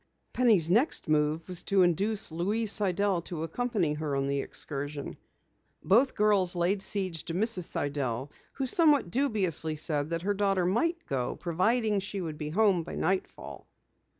Penny's next move was to induce Louise Sidell to accompany her on the excursion. Both girls laid siege to Mrs. Sidell who somewhat dubiously said that her daughter might go, providing she would be home by nightfall.